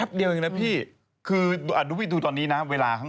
คนที่ปิดคืองงวง